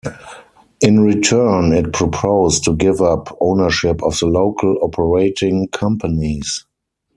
In return, it proposed to give up ownership of the local operating companies.